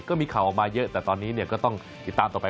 ก็มีข่าวออกมาเยอะแต่ตอนนี้ก็ต้องติดตามต่อไป